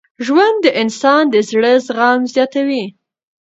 ژوند د انسان د زړه زغم زیاتوي.